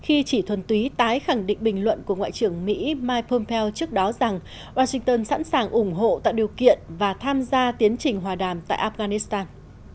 khi chỉ thuần túy tái khẳng định bình luận của ngoại trưởng mỹ mike pompeo trước đó rằng washington sẵn sàng ủng hộ tạo điều kiện và tham gia tiến trình hòa đàm tại afghanistan